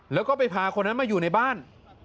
แล้วก็ไปพาคนนั้นมาอยู่ในบ้าน